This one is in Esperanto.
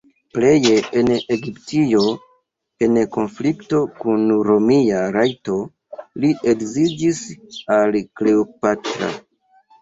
Pleje en Egiptio en konflikto kun romia rajto li edziĝis al Kleopatra.